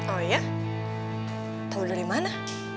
oh iya tau dari mana